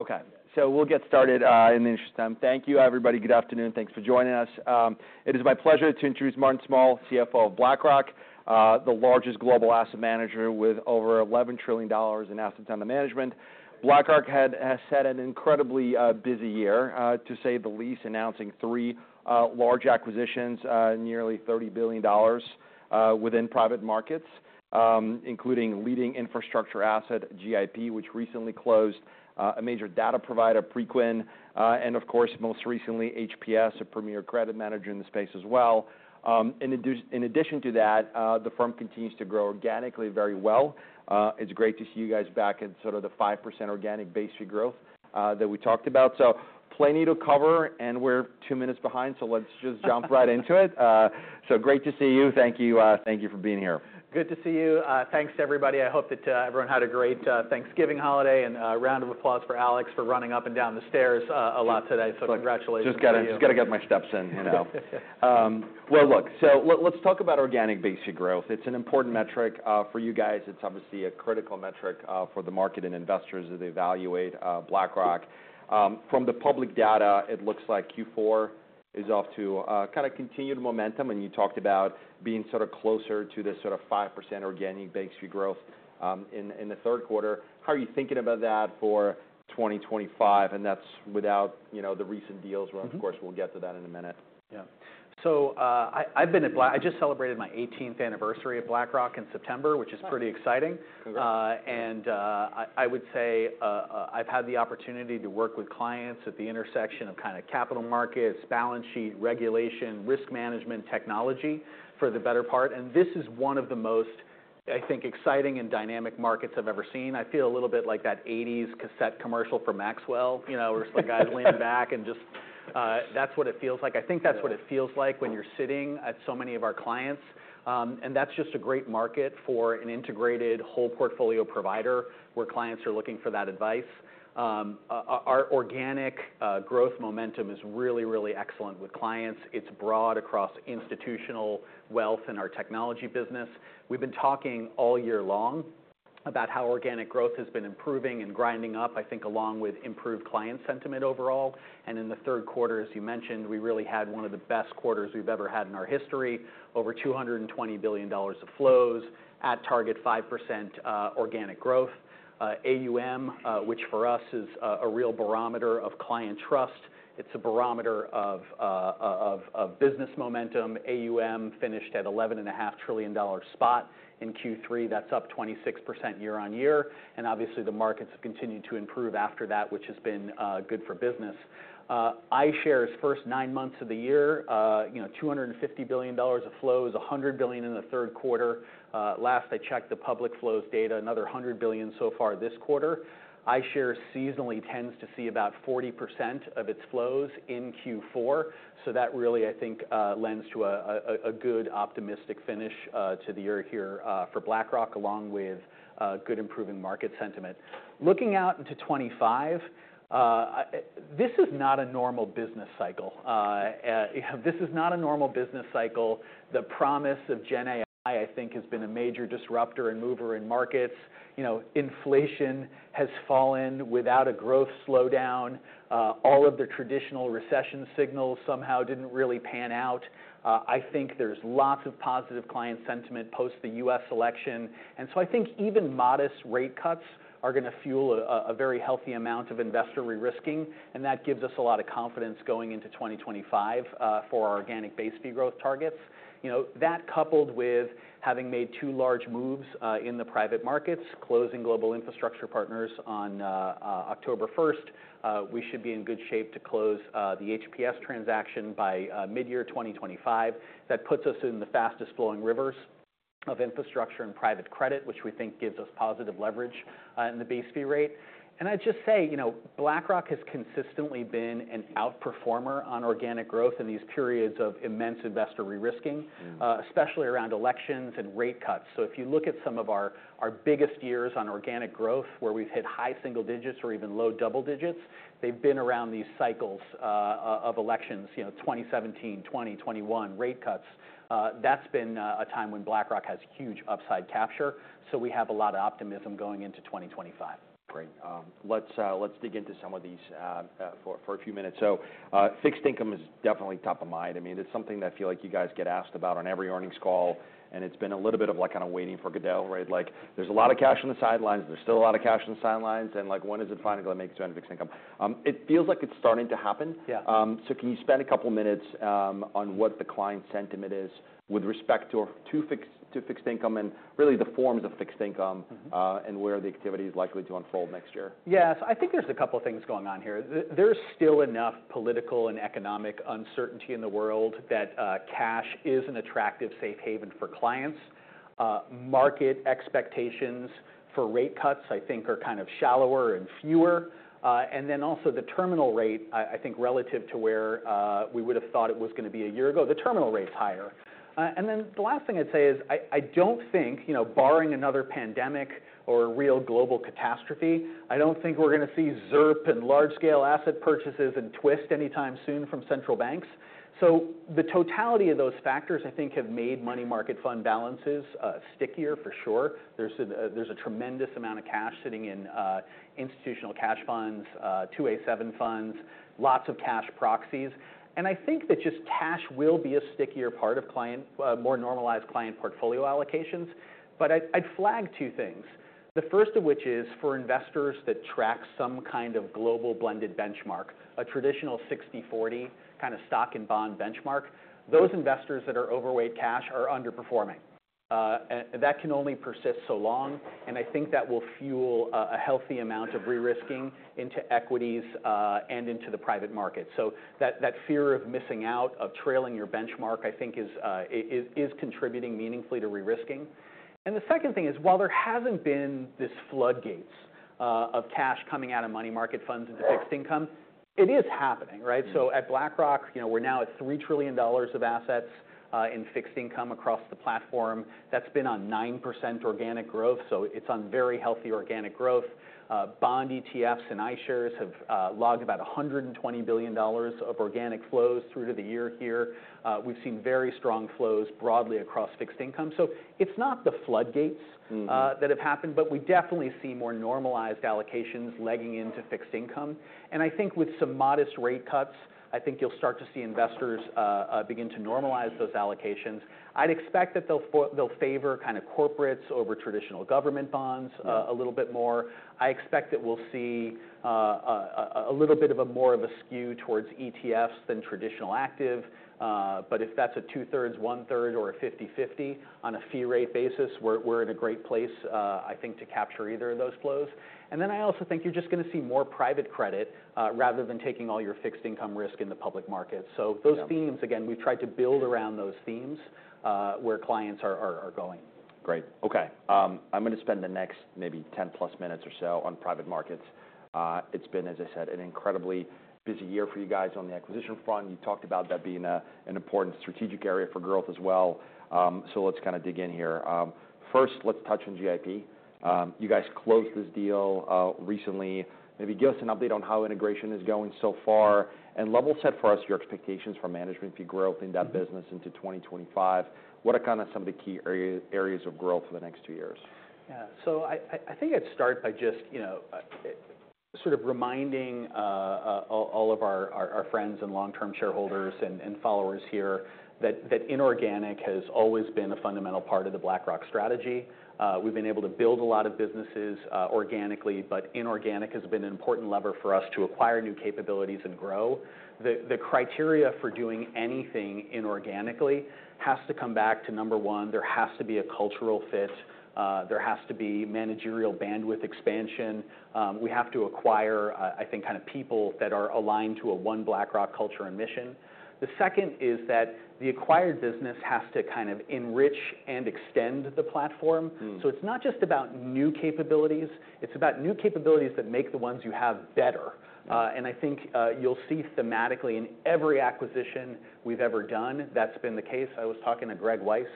Okay. So we'll get started in the interest of time. Thank you, everybody. Good afternoon. Thanks for joining us. It is my pleasure to introduce Martin Small, CFO of BlackRock, the largest global asset manager with over $11 trillion in assets under management. BlackRock has had an incredibly busy year, to say the least, announcing three large acquisitions, nearly $30 billion within private markets, including leading infrastructure asset, GIP, which recently closed a major data provider, Preqin, and, of course, most recently, HPS, a premier credit manager in the space as well. In addition to that, the firm continues to grow organically very well. It's great to see you guys back at sort of the 5% organic base fee growth that we talked about. So plenty to cover, and we're two minutes behind, so let's just jump right into it. So great to see you. Thank you for being here. Good to see you. Thanks, everybody. I hope that everyone had a great Thanksgiving holiday and a round of applause for Alex for running up and down the stairs a lot today. So congratulations. Just got to get my steps in. Well, look, so let's talk about organic base fee growth. It's an important metric for you guys. It's obviously a critical metric for the market and investors as they evaluate BlackRock. From the public data, it looks like Q4 is off to kind of continued momentum, and you talked about being sort of closer to this sort of 5% organic base fee growth in the third quarter. How are you thinking about that for 2025? And that's without the recent deals, of course, we'll get to that in a minute. Yeah. So I just celebrated my 18th anniversary at BlackRock in September, which is pretty exciting. And I would say I've had the opportunity to work with clients at the intersection of kind of capital markets, balance sheet, regulation, risk management, technology for the better part. And this is one of the most, I think, exciting and dynamic markets I've ever seen. I feel a little bit like that '80s cassette commercial for Maxell. It's like I lean back and just that's what it feels like. I think that's what it feels like when you're sitting at so many of our clients. And that's just a great market for an integrated whole portfolio provider where clients are looking for that advice. Our organic growth momentum is really, really excellent with clients. It's broad across institutional wealth and our technology business. We've been talking all year long about how organic growth has been improving and grinding up, I think, along with improved client sentiment overall. And in the third quarter, as you mentioned, we really had one of the best quarters we've ever had in our history, over $220 billion of flows at target 5% organic growth. AUM, which for us is a real barometer of client trust, it's a barometer of business momentum. AUM finished at $11.5 trillion spot in Q3. That's up 26% year on year. And obviously, the markets have continued to improve after that, which has been good for business. iShares' first nine months of the year, $250 billion of flows, $100 billion in the third quarter. Last I checked the public flows data, another $100 billion so far this quarter. iShares seasonally tends to see about 40% of its flows in Q4. So that really, I think, lends to a good optimistic finish to the year here for BlackRock, along with good improving market sentiment. Looking out into 2025, this is not a normal business cycle. This is not a normal business cycle. The promise of GenAI, I think, has been a major disruptor and mover in markets. Inflation has fallen without a growth slowdown. All of the traditional recession signals somehow didn't really pan out. I think there's lots of positive client sentiment post the U.S. election. And so I think even modest rate cuts are going to fuel a very healthy amount of investor risking. And that gives us a lot of confidence going into 2025 for our organic base fee growth targets. That, coupled with having made two large moves in the private markets, closing Global Infrastructure Partners on October 1st, we should be in good shape to close the HPS transaction by mid-year 2025. That puts us in the fastest flowing rivers of infrastructure and private credit, which we think gives us positive leverage in the base fee rate. And I'd just say BlackRock has consistently been an outperformer on organic growth in these periods of immense investor risking, especially around elections and rate cuts. So if you look at some of our biggest years on organic growth where we've hit high single digits or even low double digits, they've been around these cycles of elections, 2017, 2020, 2021, rate cuts. That's been a time when BlackRock has huge upside capture. So we have a lot of optimism going into 2025. Great. Let's dig into some of these for a few minutes. So fixed income is definitely top of mind. I mean, it's something that I feel like you guys get asked about on every earnings call. And it's been a little bit of like kind of waiting for Godot, right? Like there's a lot of cash on the sidelines. There's still a lot of cash on the sidelines. And when is it finally going to make its fixed income? It feels like it's starting to happen. Yeah. So can you spend a couple of minutes on what the client sentiment is with respect to fixed income and really the forms of fixed income and where the activity is likely to unfold next year? Yeah. So I think there's a couple of things going on here. There's still enough political and economic uncertainty in the world that cash is an attractive safe haven for clients. Market expectations for rate cuts, I think, are kind of shallower and fewer, and then also the terminal rate, I think, relative to where we would have thought it was going to be a year ago, the terminal rate's higher, and then the last thing I'd say is I don't think, barring another pandemic or a real global catastrophe, I don't think we're going to see ZIRP and large-scale asset purchases and Twist anytime soon from central banks, so the totality of those factors, I think, have made money market fund balances stickier for sure. There's a tremendous amount of cash sitting in institutional cash funds, 2a-7 funds, lots of cash proxies. I think that just cash will be a stickier part of more normalized client portfolio allocations. I'd flag two things, the first of which is for investors that track some kind of global blended benchmark, a traditional 60/40 kind of stock and bond benchmark. Those investors that are overweight cash are underperforming. That can only persist so long. I think that will fuel a healthy amount of risking into equities and into the private market. That fear of missing out, of trailing your benchmark, I think is contributing meaningfully to risking. The second thing is, while there hasn't been this floodgates of cash coming out of money market funds into fixed income, it is happening, right? At BlackRock, we're now at $3 trillion of assets in fixed income across the platform. That's been on 9% organic growth. It's on very healthy organic growth. Bond ETFs and iShares have logged about $120 billion of organic flows through to the year here. We've seen very strong flows broadly across fixed income. So it's not the floodgates that have happened, but we definitely see more normalized allocations legging into fixed income. And I think with some modest rate cuts, I think you'll start to see investors begin to normalize those allocations. I'd expect that they'll favor kind of corporates over traditional government bonds a little bit more. I expect that we'll see a little bit more of a skew towards ETFs than traditional active. But if that's a 2/3, 1/3, or a 50/50 on a fee rate basis, we're in a great place, I think, to capture either of those flows. And then I also think you're just going to see more private credit rather than taking all your fixed income risk in the public markets. So those themes, again, we've tried to build around those themes where clients are going. Great. Okay. I'm going to spend the next maybe 10 plus minutes or so on private markets. It's been, as I said, an incredibly busy year for you guys on the acquisition front. You talked about that being an important strategic area for growth as well. So let's kind of dig in here. First, let's touch on GIP. You guys closed this deal recently. Maybe give us an update on how integration is going so far. And level set for us your expectations for management fee growth in that business into 2025. What are kind of some of the key areas of growth for the next two years? Yeah. So I think I'd start by just sort of reminding all of our friends and long-term shareholders and followers here that inorganic has always been a fundamental part of the BlackRock strategy. We've been able to build a lot of businesses organically, but inorganic has been an important lever for us to acquire new capabilities and grow. The criteria for doing anything inorganically has to come back to number one. There has to be a cultural fit. There has to be managerial bandwidth expansion. We have to acquire, I think, kind of people that are aligned to a one BlackRock culture and mission. The second is that the acquired business has to kind of enrich and extend the platform. So it's not just about new capabilities. It's about new capabilities that make the ones you have better. I think you'll see thematically in every acquisition we've ever done, that's been the case. I was talking to Greg Weiss,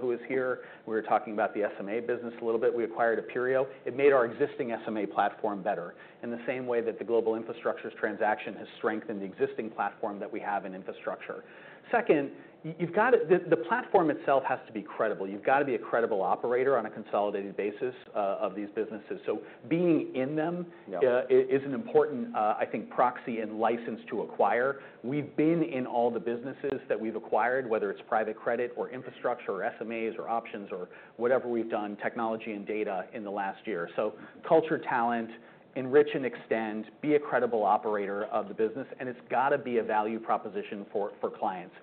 who is here. We were talking about the SMA business a little bit. We acquired Aperio. It made our existing SMA platform better in the same way that the Global Infrastructure's transaction has strengthened the existing platform that we have in infrastructure. Second, the platform itself has to be credible. You've got to be a credible operator on a consolidated basis of these businesses. So being in them is an important, I think, proxy and license to acquire. We've been in all the businesses that we've acquired, whether it's private credit or infrastructure or SMAs or options or whatever we've done, technology and data in the last year. So culture, talent, enrich and extend, be a credible operator of the business. It's got to be a value proposition for clients.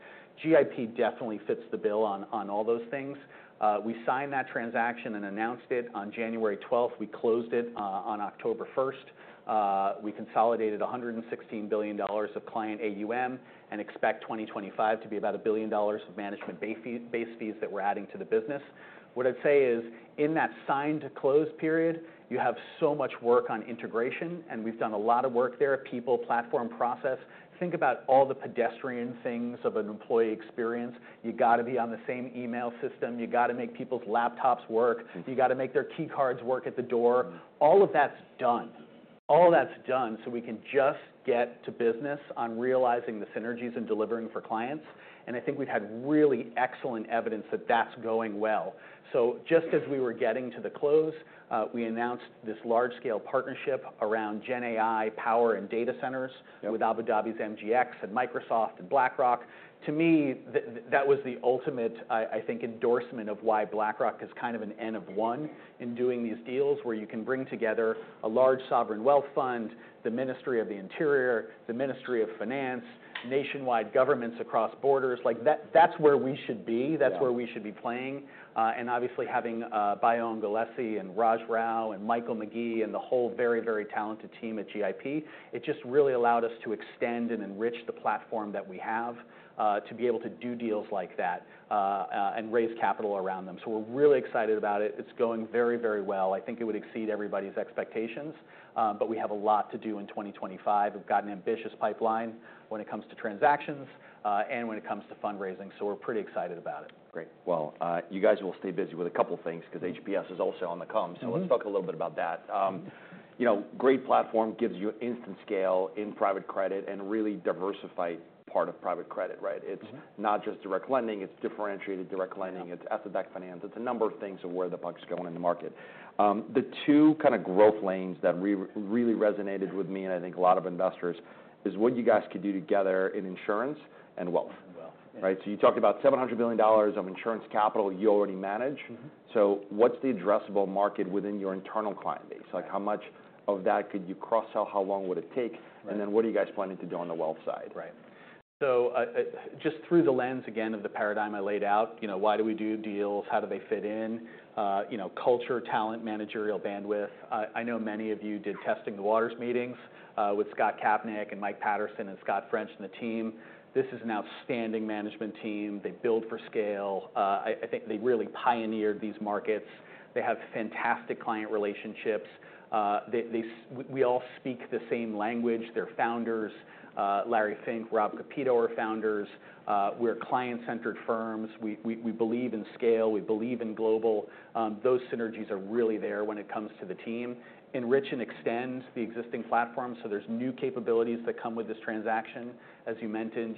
GIP definitely fits the bill on all those things. We signed that transaction and announced it on January 12th. We closed it on October 1st. We consolidated $116 billion of client AUM and expect 2025 to be about $1 billion of management base fees that we're adding to the business. What I'd say is in that signed to close period, you have so much work on integration, and we've done a lot of work there, people, platform, process. Think about all the pedestrian things of an employee experience. You got to be on the same email system. You got to make people's laptops work. You got to make their key cards work at the door. All of that's done. All of that's done so we can just get to business on realizing the synergies and delivering for clients. I think we've had really excellent evidence that that's going well. So just as we were getting to the close, we announced this large-scale partnership around GenAI power and data centers with Abu Dhabi's MGX and Microsoft and BlackRock. To me, that was the ultimate, I think, endorsement of why BlackRock is kind of an N of one in doing these deals where you can bring together a large sovereign wealth fund, the Ministry of the Interior, the Ministry of Finance, nationwide governments across borders. That's where we should be. Yeah. That's where we should be playing. And obviously having Bayo Ogunlesi and Raj Rao and Michael McGhee and the whole very, very talented team at GIP, it just really allowed us to extend and enrich the platform that we have to be able to do deals like that and raise capital around them. So we're really excited about it. It's going very, very well. I think it would exceed everybody's expectations, but we have a lot to do in 2025. We've got an ambitious pipeline when it comes to transactions and when it comes to fundraising. So we're pretty excited about it. Great. Well, you guys will stay busy with a couple of things because HPS is also on the come. So let's talk a little bit about that. Great platform gives you instant scale in private credit and really diversified part of private credit, right? It's not just direct lending. It's differentiated direct lending. It's asset-backed finance. It's a number of things of where the buck's going in the market. The two kind of growth lanes that really resonated with me and I think a lot of investors is what you guys could do together in insurance and wealth, right? So you talked about $700 billion of insurance capital you already manage. So what's the addressable market within your internal client base? How much of that could you cross-sell? How long would it take? And then what are you guys planning to do on the wealth side? Right. So just through the lens again of the paradigm I laid out, why do we do deals? How do they fit in? Culture, talent, managerial bandwidth. I know many of you did testing the waters meetings with Scott Kapnick and Mike Patterson and Scot French and the team. This is an outstanding management team. They build for scale. I think they really pioneered these markets. They have fantastic client relationships. We all speak the same language. They're founders. Larry Fink, Rob Kapito are founders. We're client-centered firms. We believe in scale. We believe in global. Those synergies are really there when it comes to the team. Enrich and extend the existing platform. So there's new capabilities that come with this transaction. As you mentioned,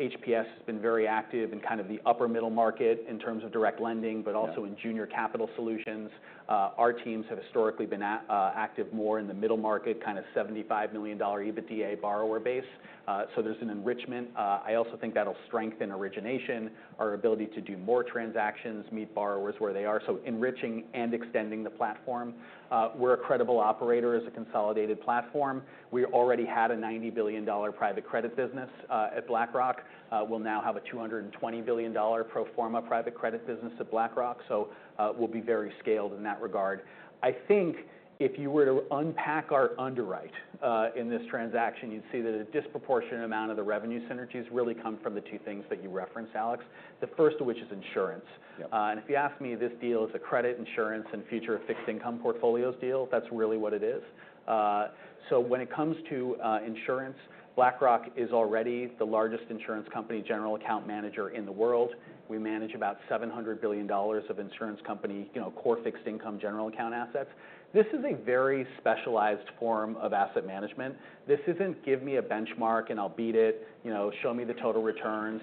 HPS has been very active in kind of the upper middle market in terms of direct lending. Yeah. But also in junior capital solutions. Our teams have historically been active more in the middle market, kind of $75 million EBITDA borrower base, so there's an enrichment. I also think that'll strengthen origination, our ability to do more transactions, meet borrowers where they are, so enriching and extending the platform. We're a credible operator as a consolidated platform. We already had a $90 billion private credit business at BlackRock, we'll now have a $220 billion pro forma private credit business at BlackRock, so we'll be very scaled in that regard. I think if you were to unpack our underwrite in this transaction, you'd see that a disproportionate amount of the revenue synergies really come from the two things that you referenced, Alex, the first of which is insurance. Yeah. And if you ask me, this deal is a credit insurance and future fixed income portfolios deal. That's really what it is. So when it comes to insurance, BlackRock is already the largest insurance company general account manager in the world. We manage about $700 billion of insurance company core fixed income general account assets. This is a very specialized form of asset management. This isn't, give me a benchmark and I'll beat it. Show me the total returns.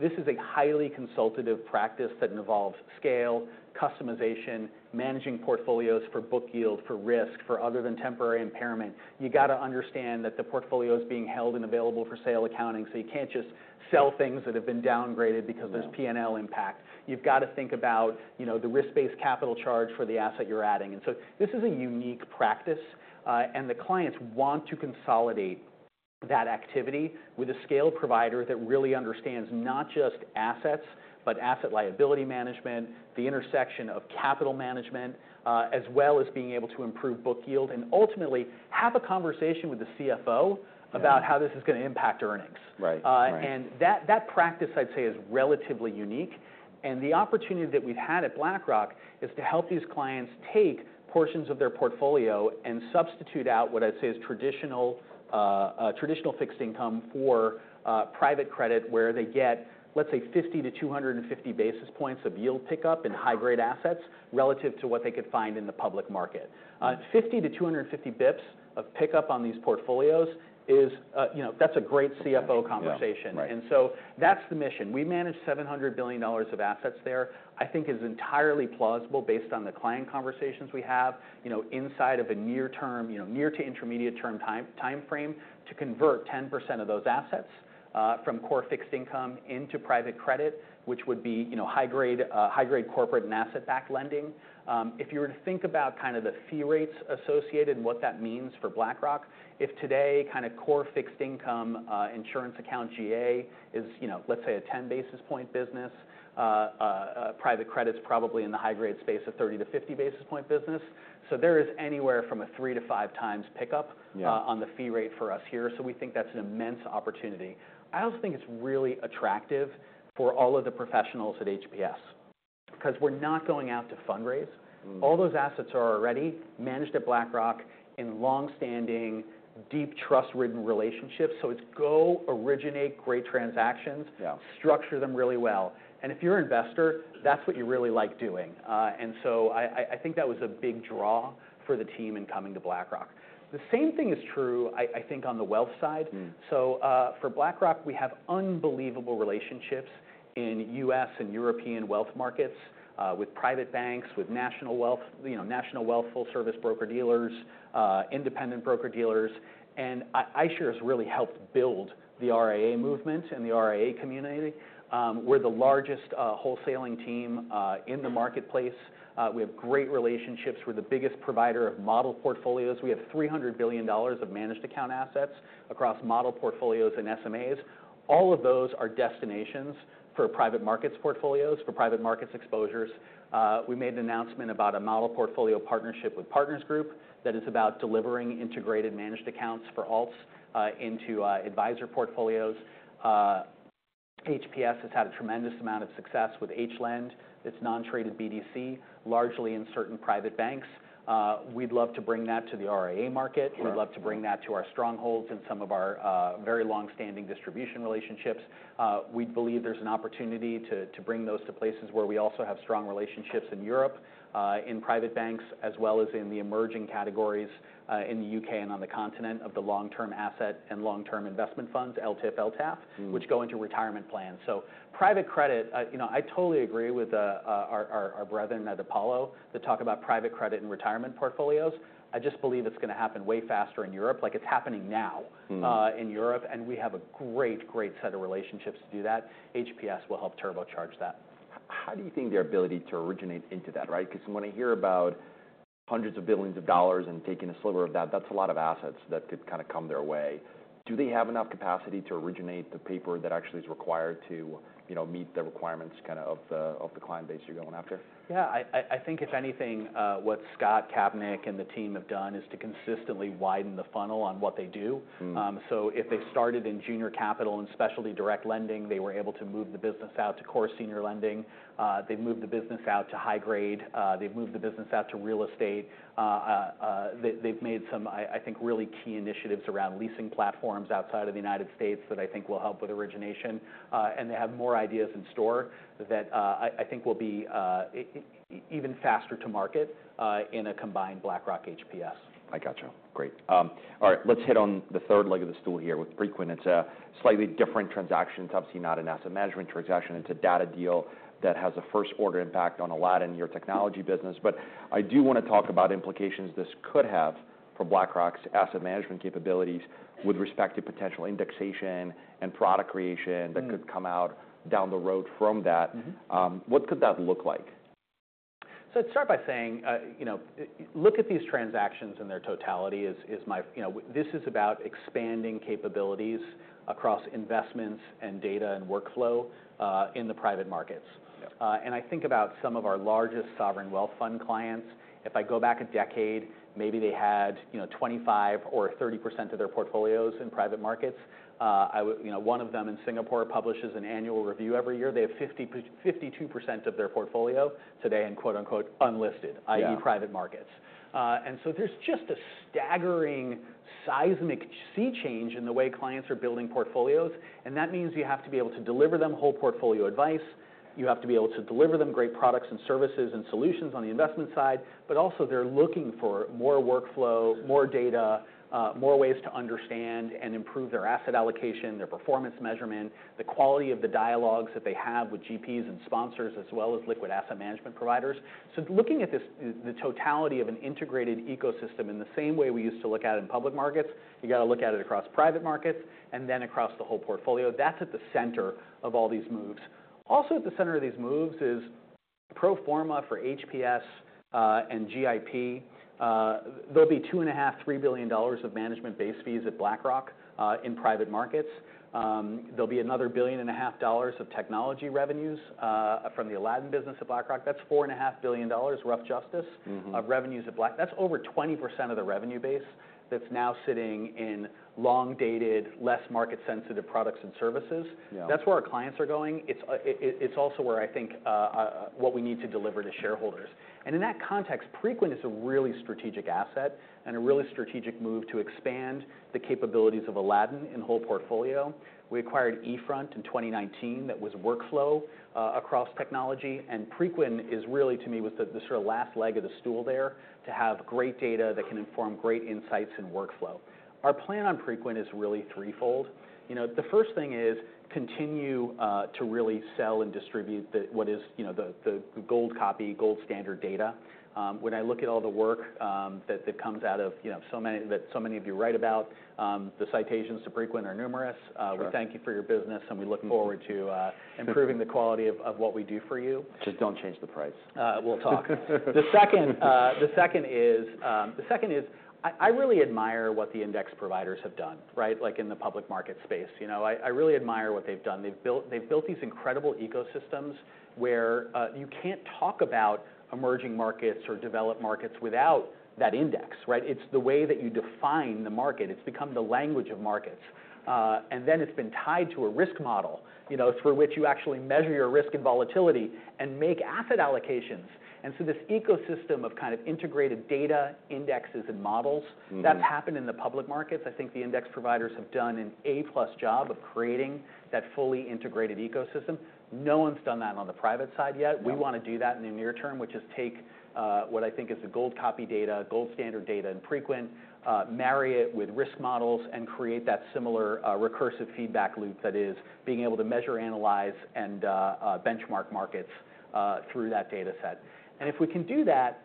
This is a highly consultative practice that involves scale, customization, managing portfolios for book yield, for risk, for other than temporary impairment. You got to understand that the portfolio is being held and available for sale accounting. So you can't just sell things that have been downgraded because there's P&L impact. You've got to think about the risk-based capital charge for the asset you're adding. And so this is a unique practice. The clients want to consolidate that activity with a scale provider that really understands not just assets, but asset liability management, the intersection of capital management, as well as being able to improve book yield and ultimately have a conversation with the CFO about how this is going to impact earnings. Right. That practice, I'd say, is relatively unique. The opportunity that we've had at BlackRock is to help these clients take portions of their portfolio and substitute out what I'd say is traditional fixed income for private credit where they get, let's say, 50 to 250 basis points of yield pickup in high-grade assets relative to what they could find in the public market. 50 to 250 basis points of pickup on these portfolios is. That's a great CFO conversation. Yeah, right. So that's the mission. We managed $700 billion of assets there. I think is entirely plausible based on the client conversations we have inside of a near-term, near to intermediate term timeframe to convert 10% of those assets from core fixed income into private credit, which would be high-grade corporate and asset-backed lending. If you were to think about kind of the fee rates associated and what that means for BlackRock, if today kind of core fixed income insurance account GA is, let's say, a 10 basis point business, private credit's probably in the high-grade space of 30 to 50 basis point business. So there is anywhere from a three to five times pickup. Yeah. On the fee rate for us here. So we think that's an immense opportunity. I also think it's really attractive for all of the professionals at HPS because we're not going out to fundraise. All those assets are already managed at BlackRock in long-standing, deep trust-based relationships. So it's go, originate great transactions. Yeah. Structure them really well. If you're an investor, that's what you really like doing. I think that was a big draw for the team in coming to BlackRock. The same thing is true, I think, on the wealth side. For BlackRock, we have unbelievable relationships in U.S. and European wealth markets with private banks, with national wealth, full-service broker-dealers, independent broker-dealers. iShares has really helped build the RIA movement and the RIA community. We're the largest wholesaling team in the marketplace. We have great relationships. We're the biggest provider of model portfolios. We have $300 billion of managed account assets across model portfolios and SMAs. All of those are destinations for private markets portfolios, for private markets exposures. We made an announcement about a model portfolio partnership with Partners Group that is about delivering integrated managed accounts for alts into advisor portfolios. HPS has had a tremendous amount of success with HLEND. It's non-traded BDC, largely in certain private banks. We'd love to bring that to the RIA market. We'd love to bring that to our strongholds and some of our very long-standing distribution relationships. We believe there's an opportunity to bring those to places where we also have strong relationships in Europe, in private banks, as well as in the emerging categories in the U.K., and on the continent of the long-term asset and long-term investment funds, LTIF, LTAF, which go into retirement plans. So private credit, I totally agree with our brethren at Apollo to talk about private credit and retirement portfolios. I just believe it's going to happen way faster in Europe, like it's happening now in Europe, and we have a great, great set of relationships to do that. HPS will help turbocharge that. How do you think their ability to originate into that, right? Because when I hear about hundreds of billions of dollars and taking a sliver of that, that's a lot of assets that could kind of come their way. Do they have enough capacity to originate the paper that actually is required to meet the requirements kind of of the client base you're going after? Yeah. I think if anything, what Scott Kapnick and the team have done is to consistently widen the funnel on what they do. So if they started in junior capital and specialty direct lending, they were able to move the business out to core senior lending. They've moved the business out to high grade. They've moved the business out to real estate. They've made some, I think, really key initiatives around leasing platforms outside of the United States that I think will help with origination. And they have more ideas in store that I think will be even faster to market in a combined BlackRock-HPS. I gotcha. Great. All right. Let's hit on the third leg of the stool here with Preqin. It's a slightly different transaction. It's obviously not an asset management transaction. It's a data deal that has a first-order impact on a lot in your technology business. But I do want to talk about implications this could have for BlackRock's asset management capabilities with respect to potential indexation and product creation that could come out down the road from that. What could that look like? So I'd start by saying, look at these transactions in their totality as this is about expanding capabilities across investments and data and workflow in the private markets. And I think about some of our largest sovereign wealth fund clients. If I go back a decade, maybe they had 25% or 30% of their portfolios in private markets. One of them in Singapore publishes an annual review every year. They have 52% of their portfolio today in quote-unquote unlisted, i.e., private markets. And so there's just a staggering seismic sea change in the way clients are building portfolios. And that means you have to be able to deliver them whole portfolio advice. You have to be able to deliver them great products and services and solutions on the investment side. But also they're looking for more workflow, more data, more ways to understand and improve their asset allocation, their performance measurement, the quality of the dialogues that they have with GPs and sponsors as well as liquid asset management providers. Looking at the totality of an integrated ecosystem in the same way we used to look at it in public markets, you got to look at it across private markets and then across the whole portfolio. That's at the center of all these moves. Also at the center of these moves is pro forma for HPS and GIP. There'll be $2.5, $3 billion of management base fees at BlackRock in private markets. There'll be another $1.5 billion of technology revenues from the Aladdin business at BlackRock. That's $4.5 billion rough justice of revenues at BlackRock. That's over 20% of the revenue base that's now sitting in long-dated, less market-sensitive products and services. Yeah. That's where our clients are going. It's also where I think what we need to deliver to shareholders, and in that context, Preqin is a really strategic asset and a really strategic move to expand the capabilities of Aladdin in whole portfolio. We acquired eFront in 2019 that was workflow across technology, and Preqin is really, to me, was the sort of last leg of the stool there to have great data that can inform great insights and workflow. Our plan on Preqin is really threefold. The first thing is continue to really sell and distribute what is the gold copy, gold standard data. When I look at all the work that comes out of so many of you write about, the citations to Preqin are numerous. We thank you for your business and we look forward to improving the quality of what we do for you. Just don't change the price. We'll talk. The second is I really admire what the index providers have done, right? Like in the public market space, I really admire what they've done. They've built these incredible ecosystems where you can't talk about emerging markets or developed markets without that index, right? It's the way that you define the market. It's become the language of markets. And then it's been tied to a risk model through which you actually measure your risk and volatility and make asset allocations. And so this ecosystem of kind of integrated data, indexes, and models, that's happened in the public markets. I think the index providers have done an A-plus job of creating that fully integrated ecosystem. No one's done that on the private side yet. We want to do that in the near term, which is take what I think is the gold copy data, gold standard data in Preqin, marry it with risk models, and create that similar recursive feedback loop that is being able to measure, analyze, and benchmark markets through that data set. And if we can do that,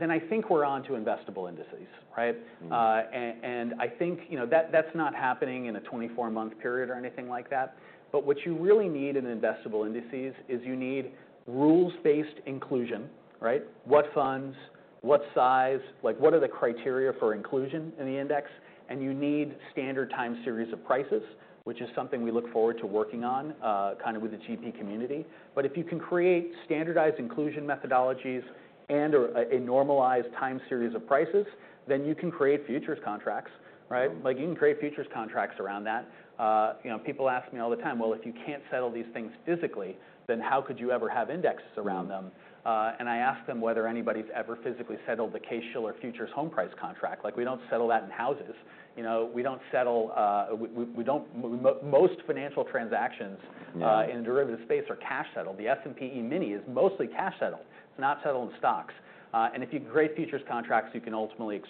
then I think we're on to investable indices, right? And I think that's not happening in a 24-month period or anything like that. But what you really need in investable indices is you need rules-based inclusion, right? What funds, what size, like what are the criteria for inclusion in the index? And you need standard time series of prices, which is something we look forward to working on kind of with the GP community. But if you can create standardized inclusion methodologies and a normalized time series of prices, then you can create futures contracts, right? Like you can create futures contracts around that. People ask me all the time, well, if you can't settle these things physically, then how could you ever have indexes around them? And I ask them whether anybody's ever physically settled the Case-Shiller futures home price contract. Like we don't settle that in houses. We don't settle most financial transactions in the derivatives space are cash settled. The S&P E-mini is mostly cash settled. It's not settled in stocks. And if you can create futures contracts, you can ultimately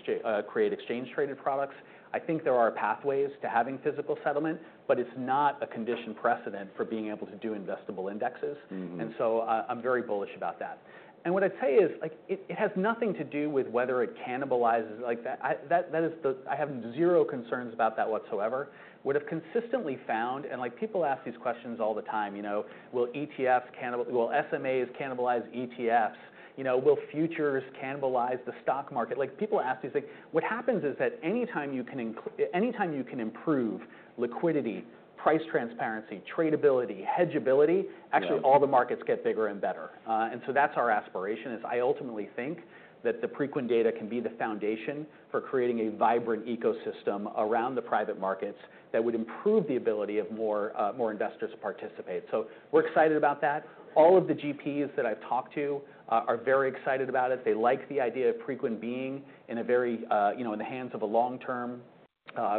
create exchange-traded products. I think there are pathways to having physical settlement, but it's not a condition precedent for being able to do investable Indexes. And so I'm very bullish about that. What I'd say is it has nothing to do with whether it cannibalizes like that. I have zero concerns about that whatsoever. We've consistently found, and people ask these questions all the time, will SMAs cannibalize ETFs? Will futures cannibalize the stock market? Like people ask these things. What happens is that anytime you can improve liquidity, price transparency, tradability, hedgeability. Yeah. Actually all the markets get bigger and better. So that's our aspiration. I ultimately think that the Preqin data can be the foundation for creating a vibrant ecosystem around the private markets that would improve the ability of more investors to participate. So we're excited about that. All of the GPs that I've talked to are very excited about it. They like the idea of Preqin being in the hands of a long-term,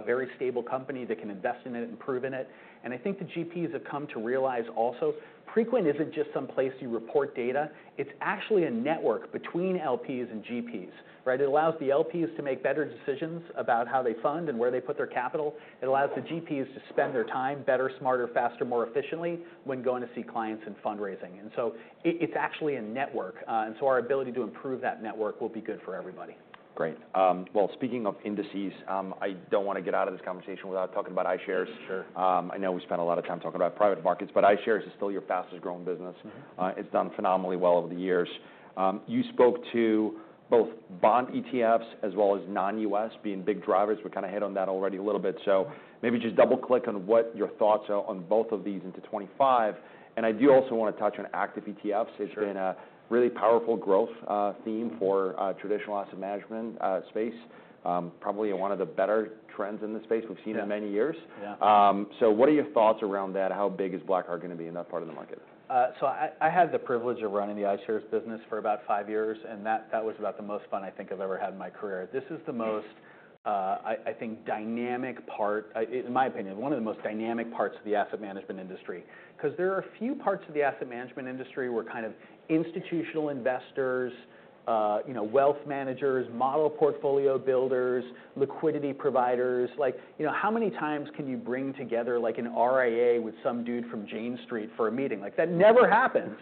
very stable company that can invest in it and improve it. I think the GPs have come to realize also Preqin isn't just some place you report data. It's actually a network between LPs and GPs, right? It allows the LPs to make better decisions about how they fund and where they put their capital. It allows the GPs to spend their time better, smarter, faster, more efficiently when going to see clients and fundraising. So it's actually a network. So our ability to improve that network will be good for everybody. Great. Well, speaking of indices, I don't want to get out of this conversation without talking about iShares. I know we spent a lot of time talking about private markets, but iShares is still your fastest growing business. It's done phenomenally well over the years. You spoke to both bond ETFs as well as non-U.S. being big drivers. We kind of hit on that already a little bit. So maybe just double-click on what your thoughts are on both of these into 2025. And I do also want to touch on active ETFs. It's been a really powerful growth theme for traditional asset management space, probably one of the better trends in the space we've seen in many years. So what are your thoughts around that? How big is BlackRock going to be in that part of the market? So I had the privilege of running the iShares business for about five years, and that was about the most fun I think I've ever had in my career. This is the most, I think, dynamic part, in my opinion, one of the most dynamic parts of the asset management industry. Because there are a few parts of the asset management industry where kind of institutional investors, wealth managers, model portfolio builders, liquidity providers, like how many times can you bring together like an RIA with some dude from Jane Street for a meeting? Like that never happens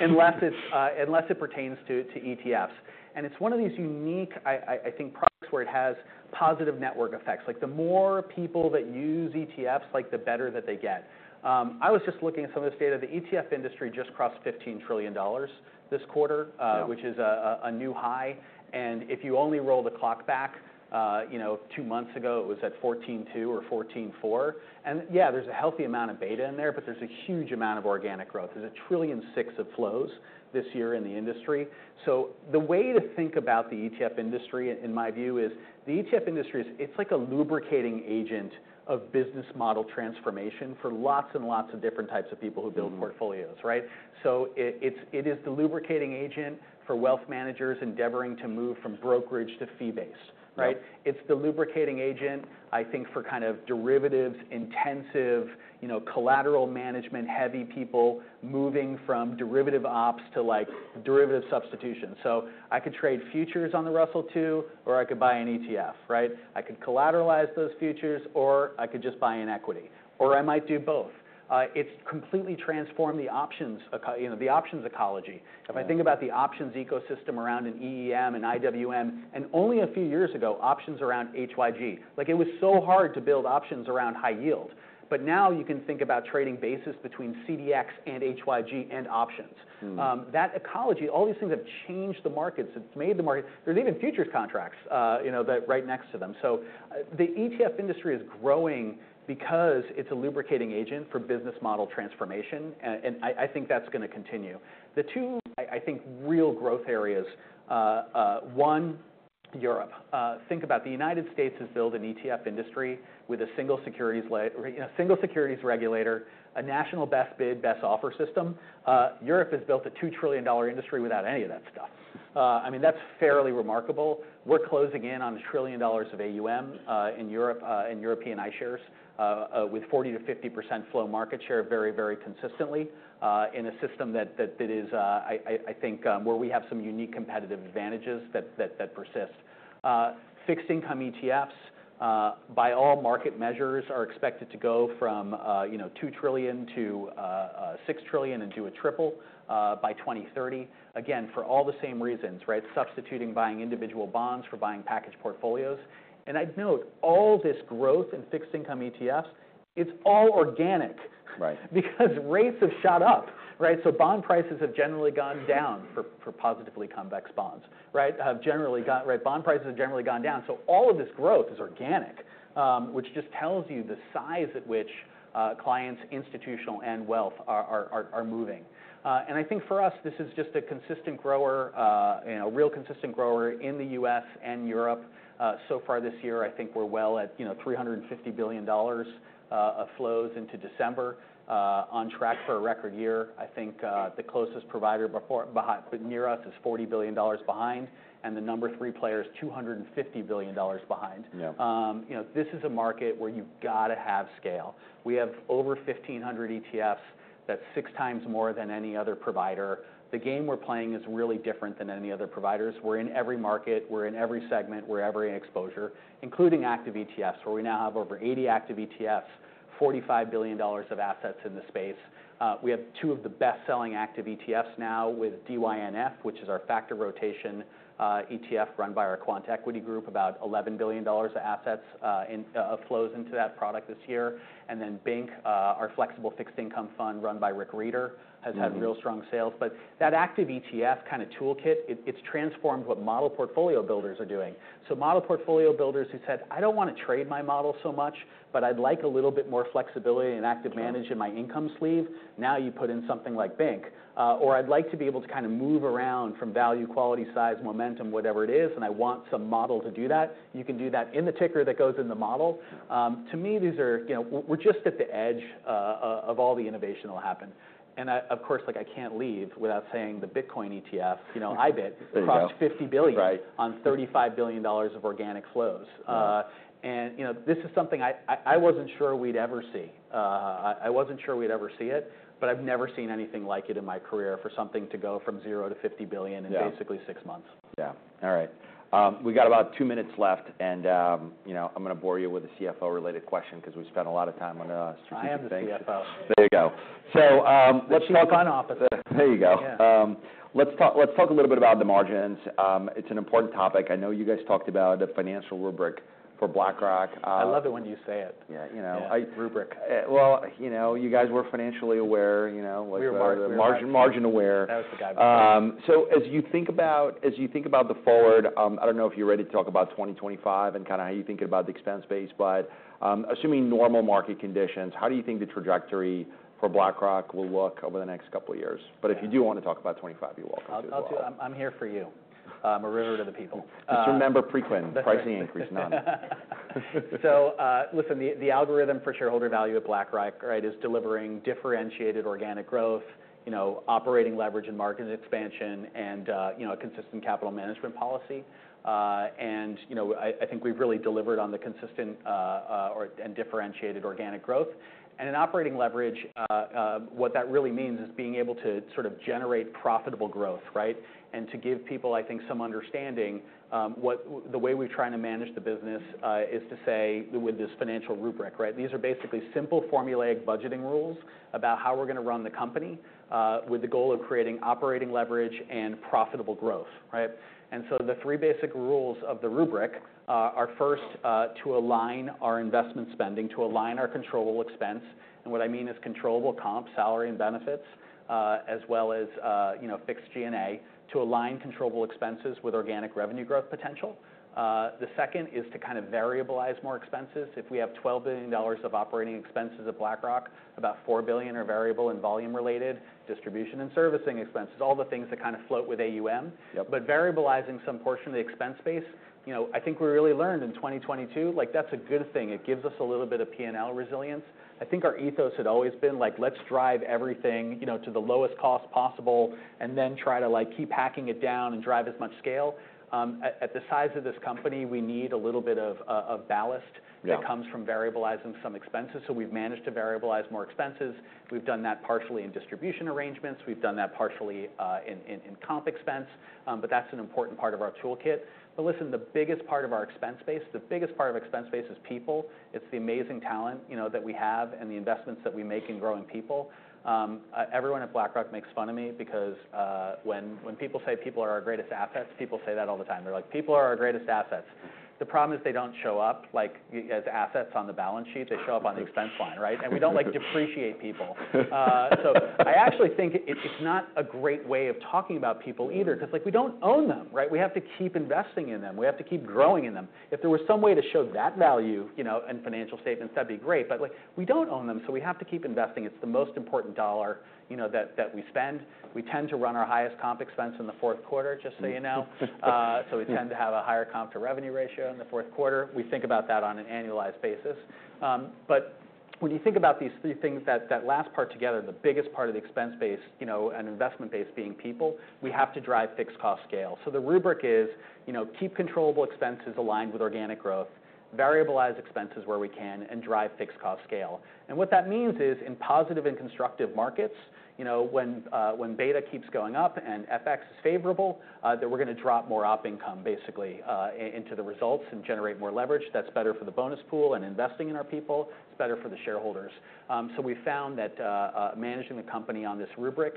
unless it pertains to ETFs. And it's one of these unique, I think, products where it has positive network effects. Like the more people that use ETFs, like the better that they get. I was just looking at some of this data. The ETF industry just crossed $15 trillion this quarter, which is a new high, and if you only roll the clock back two months ago, it was at $14.2 or $14.4, and yeah, there's a healthy amount of beta in there, but there's a huge amount of organic growth. There's $1.6 trillion of flows this year in the industry. The way to think about the ETF industry, in my view, is the ETF industry is like a lubricating agent of business model transformation for lots and lots of different types of people who build portfolios, right? It is the lubricating agent for wealth managers endeavoring to move from brokerage to fee-based, right? It's the lubricating agent, I think, for kind of derivatives-intensive, collateral management-heavy people moving from derivative ops to derivative substitution. So I could trade futures on the Russell 2000 or I could buy an ETF, right? I could collateralize those futures or I could just buy an equity. Or I might do both. It's completely transformed the options ecology. If I think about the options ecosystem around an EEM and IWM, and only a few years ago, options around HYG. Like it was so hard to build options around high yield. But now you can think about trading basis between CDX and HYG and options. That ecology, all these things have changed the markets. It's made the market. There's even futures contracts right next to them. So the ETF industry is growing because it's a lubricating agent for business model transformation. And I think that's going to continue. The two, I think, real growth areas. One, Europe. Think about the United States has built an ETF industry with a single securities regulator, a national best bid, best offer system. Europe has built a $2 trillion industry without any of that stuff. I mean, that's fairly remarkable. We're closing in on $1 trillion of AUM in Europe and European iShares with 40% or 50% flow market share very, very consistently in a system that is, I think, where we have some unique competitive advantages that persist. Fixed income ETFs, by all market measures, are expected to go from $2 trillion to $6 trillion and do a triple by 2030. Again, for all the same reasons, right? Substituting buying individual bonds for buying package portfolios, and I'd note all this growth in fixed income ETFs; it's all organic. Right. Because rate have shot up, right? So bond prices have generally gone down for positively convex bonds, right? Bond prices have generally gone down. So all of this growth is organic, which just tells you the size at which clients, institutional, and wealth are moving. And I think for us, this is just a consistent grower, a real consistent grower in the US and Europe. So far this year, I think we're well at $350 billion of flows into December, on track for a record year. I think the closest provider near us is $40 billion behind, and the number three player is $250 billion behind. This is a market where you've got to have scale. We have over 1,500 ETFs. That's six times more than any other provider. The game we're playing is really different than any other providers. We're in every market. We're in every segment. have every exposure, including active ETFs, where we now have over 80 active ETFs, $45 billion of assets in the space. We have two of the best-selling active ETFs now with DYNF, which is our factor rotation ETF run by our Quant Equity Group, about $11 billion of assets flows into that product this year. And then BINC, our flexible fixed income fund run by Rick Rieder, has had real strong sales. But that active ETF kind of toolkit, it's transformed what model portfolio builders are doing. Model portfolio builders who said, I don't want to trade my model so much, but I'd like a little bit more flexibility and active management in my income sleeve, now you put in something like BINC. Or I'd like to be able to kind of move around from value, quality, size, momentum, whatever it is, and I want some model to do that. You can do that in the ticker that goes in the model. To me, we're just at the edge of all the innovation that will happen. And of course, I can't leave without saying the Bitcoin ETF, IBIT, crossed $50 billion on $35 billion of organic flows. And this is something I wasn't sure we'd ever see. I wasn't sure we'd ever see it, but I've never seen anything like it in my career for something to go from $0 to $50 billion in basically six months. Yeah. All right. We got about two minutes left, and I'm going to bore you with a CFO-related question because we spent a lot of time on strategic things. I am the CFO. There you go. So. Let's talk on opposites. There you go. Let's talk a little bit about the margins. It's an important topic. I know you guys talked about the financial rubric for BlackRock. I love it when you say it. Yeah. Rubric. You guys were financially aware. We were margin-aware. Margin-aware. That was the guy behind it. As you think about the forward, I don't know if you're ready to talk about 2025 and kind of how you think about the expense base, but assuming normal market conditions, how do you think the trajectory for BlackRock will look over the next couple of years? But if you do want to talk about 2025, you're welcome to. I'll do it. I'm here for you. I'm a river to the people. Just remember Preqin, pricing increase, none. So listen, the algorithm for shareholder value at BlackRock is delivering differentiated organic growth, operating leverage and market expansion, and a consistent capital management policy. And I think we've really delivered on the consistent and differentiated organic growth. And in operating leverage, what that really means is being able to sort of generate profitable growth, right? And to give people, I think, some understanding the way we're trying to manage the business is to say with this financial rubric, right? These are basically simple formulaic budgeting rules about how we're going to run the company with the goal of creating operating leverage and profitable growth, right? And so the three basic rules of the rubric are first to align our investment spending, to align our controllable expense. What I mean is controllable comp, salary, and benefits, as well as fixed G&A to align controllable expenses with organic revenue growth potential. The second is to kind of variabilize more expenses. If we have $12 billion of operating expenses at BlackRock, about $4 billion are variable and volume-related distribution and servicing expenses, all the things that kind of float with AUM. Yeah. Variabilizing some portion of the expense base, I think we really learned in 2022, like that's a good thing. It gives us a little bit of P&L resilience. I think our ethos had always been like, let's drive everything to the lowest cost possible and then try to keep hacking it down and drive as much scale. At the size of this company, we need a little bit of ballast. Yeah. That comes from variabilizing some expenses. We've managed to variabilize more expenses. We've done that partially in distribution arrangements. We've done that partially in comp expense, but that's an important part of our toolkit. But listen, the biggest part of our expense base, the biggest part of expense base is people. It's the amazing talent that we have and the investments that we make in growing people. Everyone at BlackRock makes fun of me because when people say people are our greatest assets, people say that all the time. They're like, people are our greatest assets. The problem is they don't show up as assets on the balance sheet. They show up on the expense line, right? And we don't depreciate people. So I actually think it's not a great way of talking about people either because we don't own them, right? We have to keep investing in them. We have to keep growing in them. If there was some way to show that value in financial statements, that'd be great. But we don't own them, so we have to keep investing. It's the most important dollar that we spend. We tend to run our highest comp expense in the fourth quarter, just so you know. So we tend to have a higher comp to revenue ratio in the fourth quarter. We think about that on an annualized basis. But when you think about these three things, that last part together, the biggest part of the expense base and investment base being people, we have to drive fixed cost scale. So the rubric is keep controllable expenses aligned with organic growth, variabilize expenses where we can, and drive fixed cost scale. What that means is in positive and constructive markets, when beta keeps going up and FX is favorable, that we're going to drop more op income basically into the results and generate more leverage. That's better for the bonus pool and investing in our people. It's better for the shareholders. We found that managing the company on this rubric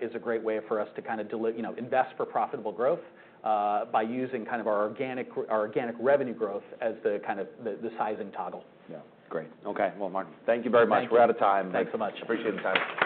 is a great way for us to kind of invest for profitable growth by using kind of our organic revenue growth as the kind of the sizing toggle. Yeah. Great. Okay. Well, Martin, thank you very much. We're out of time. Thanks so much. Appreciate the time.